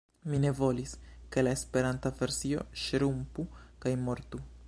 Mi ne volis, ke la Esperanta versio ŝrumpu kaj mortu.